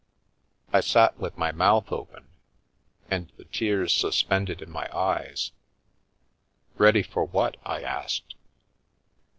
I sat with my mouth open and the cears suspended in my eyes. "Ready for what?" I asked.